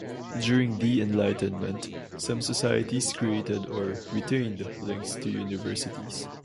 During the Enlightenment, some societies created or retained links to universities.